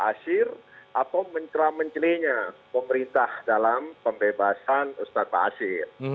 ustadz basir atau mencram mencelinya pemerintah dalam pembebasan ustadz basir